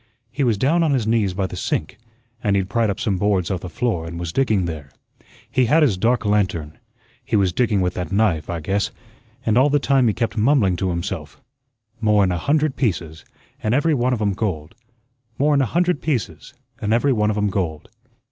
He was down on his knees by the sink, and he'd pried up some boards off the floor and was digging there. He had his dark lantern. He was digging with that knife, I guess, and all the time he kept mumbling to himself, 'More'n a hundred pieces, an' every one of 'em gold; more'n a hundred pieces, an' every one of 'em gold.'